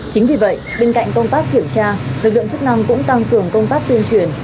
chính vì vậy bên cạnh công tác kiểm tra lực lượng chức năng cũng tăng cường công tác tuyên truyền